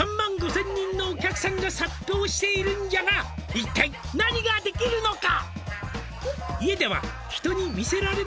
「一体何ができるのか？」